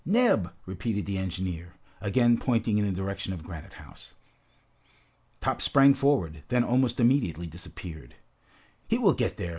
Neb!" repeated the engineer, again pointing in the direction of Granite House. Top sprang forwards, then almost immediately disappeared. "He will get there!"